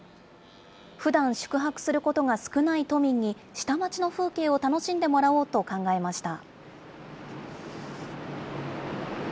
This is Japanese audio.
ふだん宿泊することが少ない都民に、下町の風景を楽しんでもらおうと考えました。